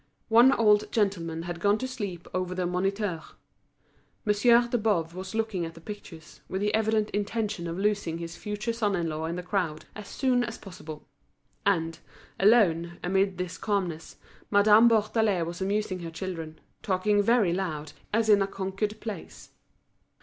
One old gentleman had gone to sleep over the Moniteur. Monsieur de Boves was looking at the pictures, with the evident intention of losing his future son in law in the crowd as soon as possible. And, alone, amid this calmness, Madame Bourdelais was amusing her children, talking very loud, as in a conquered place.